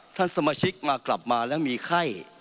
ท่านสมาชิกมากลับมาแล้วมีไข้